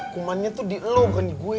kumannya tuh di lo bukan di gue